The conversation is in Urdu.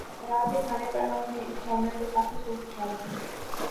رات کے کھانے پر ہم نے اس معمے پر کافی سوچ بچار کی